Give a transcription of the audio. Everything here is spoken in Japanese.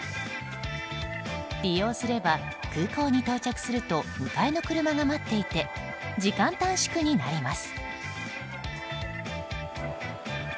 利用すれば、空港に到着すると迎えの車が待っていて時間短縮になります。